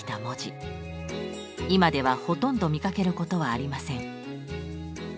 今ではほとんど見かけることはありません。